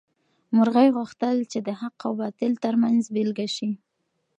مرغۍ غوښتل چې د حق او باطل تر منځ بېلګه شي.